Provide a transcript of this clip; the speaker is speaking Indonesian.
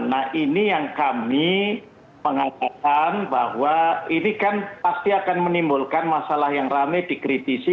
nah ini yang kami mengatakan bahwa ini kan pasti akan menimbulkan masalah yang rame dikritisi